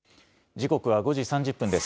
時刻は５時３０分です。